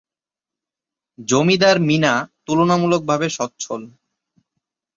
জমিদার মীনা তুলনামূলকভাবে সচ্ছল।